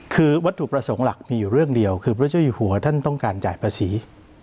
คือวัตถุประสงค์หลักมีอยู่เรื่องเดียวคือพระเจ้าอยู่หัวท่านต้องการจ่ายภาษี